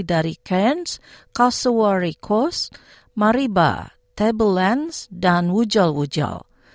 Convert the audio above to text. dari cairns kausawari coast maribah tablelands dan wujol wujol